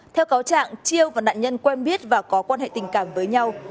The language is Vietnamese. theo cáo trạng chiêu và nạn nhân quen biết và có quan hệ tình cảm với nhau